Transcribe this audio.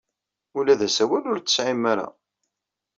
Ula d asawal ur t-tesɛim ara.